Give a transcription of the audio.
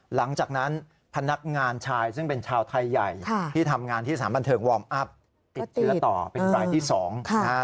หลังจากนั้นพนักงานชายซึ่งเป็นชาวไทยใหญ่ที่ทำงานที่สถานบันเทิงวอร์มอัพติดเชื้อต่อเป็นรายที่สองนะฮะ